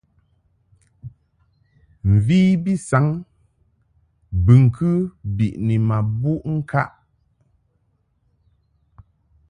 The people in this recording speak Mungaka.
Mvi bi saŋ bɨŋkɨ biʼni ma buʼ ŋkaʼ.